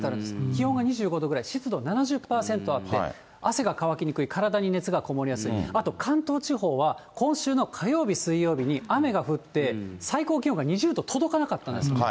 気温が２５度ぐらい、湿度７０％あって、汗が乾きにくい、体に熱がこもりやすい、あと関東地方は、今週の火曜日、水曜日に雨が降って、最高気温が２０度届かなかったんですね。